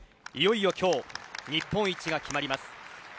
いよいよ今日日本一が決まります。